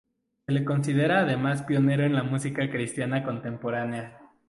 Se le considera además pionero en la música cristiana contemporánea.